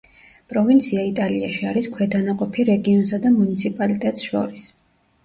პროვინცია იტალიაში არის ქვედანაყოფი რეგიონსა და მუნიციპალიტეტს შორის.